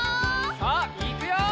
さあいくよ！